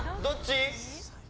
どっち？